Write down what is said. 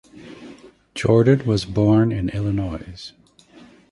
Jordan was born in Illinois.